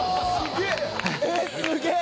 すげえ！